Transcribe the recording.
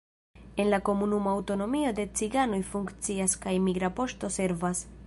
En la komunumo aŭtonomio de ciganoj funkcias kaj migra poŝto servas.